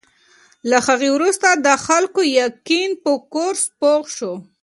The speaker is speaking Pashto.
له هغې وروسته د خلکو یقین په کورس پوخ شو.